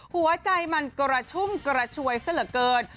หัวใจมันกระชุ่มกระชวยซะเหลือเกิน